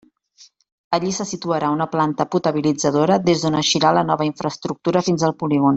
Allí se situarà una planta potabilitzadora des d'on eixirà la nova infraestructura fins al polígon.